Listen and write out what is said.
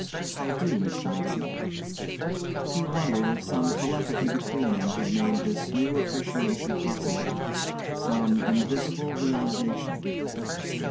"How do, Mr. Macy?" He wondered if some telepathy between them had made this new appreciation possible some invisible realization.